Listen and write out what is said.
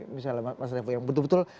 misalnya mas revo yang betul betul